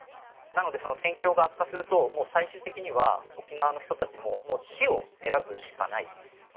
なので戦況が悪化すると最終的には沖縄の人たちも死を選ぶしかない。